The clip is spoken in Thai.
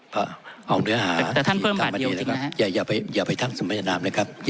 เพราะเอาเนื้อหาจริงนะคะอย่าไปทั้งสุมนามนะครับ